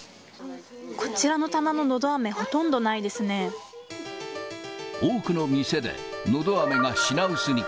こちらの棚ののどあめ、多くの店で、のどあめが品薄に。